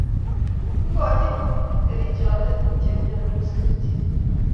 ikochini kipkerichonde che imyondos kerichek